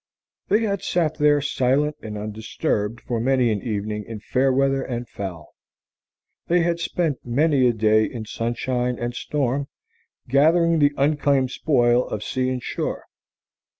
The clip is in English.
They had sat there silent and undisturbed for many an evening in fair weather and foul. They had spent many a day in sunshine and storm, gathering the unclaimed spoil of sea and shore.